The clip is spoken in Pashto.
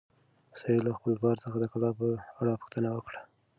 سعید له خپل پلار څخه د کلا په اړه پوښتنه وکړه.